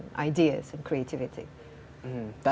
dan ide dan kreativitas